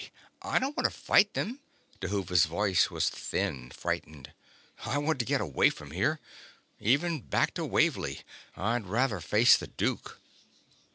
I don't want to fight them." Dhuva's voice was thin, frightened. "I want to get away from here ... even back to Wavly. I'd rather face the Duke."